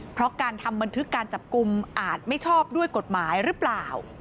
เพราะการทำบันทึกการจับกลุ่มอาจไม่ชอบด้วยกฎหมายหรือเปล่า